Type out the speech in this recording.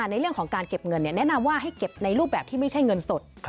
ในเรื่องของการเก็บเงินแนะนำว่าให้เก็บในรูปแบบที่ไม่ใช่เงินสด